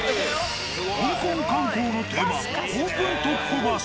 香港観光の定番オープントップバス。